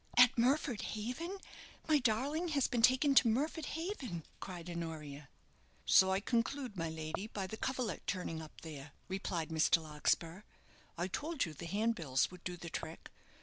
"At Murford Haven! my darling has been taken to Murford Haven!" cried Honoria. "So I conclude, my lady, by the coverlet turning up there," replied Mr. Larkspur. "I told you the handbills would do the trick.